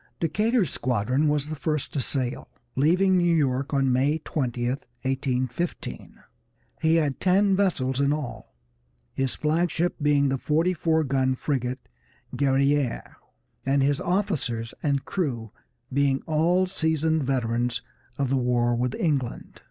Decatur's squadron was the first to sail, leaving New York on May 20, 1815. He had ten vessels in all, his flag ship being the forty four gun frigate Guerrière, and his officers and crew being all seasoned veterans of the war with England.